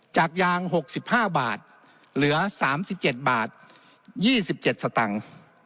จากยาง๖๕บาทเหลือ๓๗บาท๒๗สตังค์